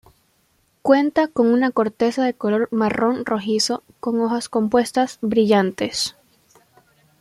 Cuenta con una corteza de color marrón rojizo, con hojas compuestas brillantes.